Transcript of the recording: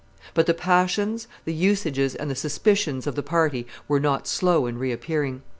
But the passions, the usages, and the suspicions of the party were not slow in reappearing.